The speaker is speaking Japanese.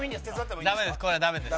ダメです。